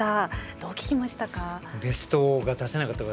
どう聞きましたか？